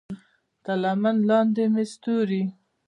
تر لمن لاندې مې ستوري